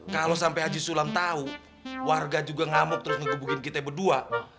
kalo sampe haji sulam tau warga juga ngamuk terus ngekubukin kita berdua